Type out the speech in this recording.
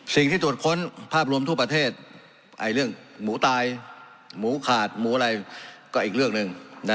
สิ่งที่ตรวจค้นภาพรวมทั่วประเทศเรื่องหมูตายหมูขาดหมูอะไรก็อีกเรื่องหนึ่ง